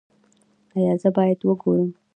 ایا زه باید وګورم؟